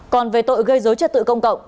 còn về tội gây dối trật tự công cộng